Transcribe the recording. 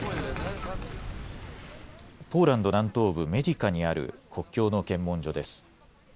ポーランド南東部メディカにある国境の検問所です。